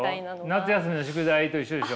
夏休みの宿題と一緒でしょ？